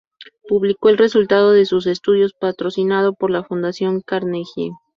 Publicó el resultado de sus estudios patrocinado por la Fundación Carnegie.